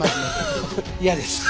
嫌です。